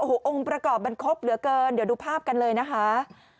โอ้โหองค์ประกอบมันครบเหลือเกินเดี๋ยวดูภาพกันเลยนะคะ